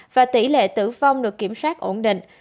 và tỷ lệ tử vong được kiểm soát ổn định